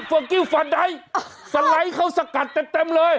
ของกิ้วสะเลขัดกันเต็มเลย